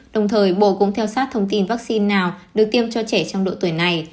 đồng thời bộ cũng theo sát thông tin vaccine nào được tiêm cho trẻ trong độ tuổi này